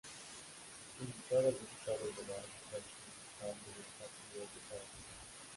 Indicado el resultado global tras computar los dos partidos de cada final.